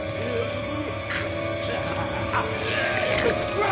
うわ！